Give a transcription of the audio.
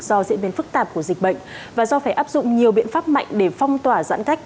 do diễn biến phức tạp của dịch bệnh và do phải áp dụng nhiều biện pháp mạnh để phong tỏa giãn cách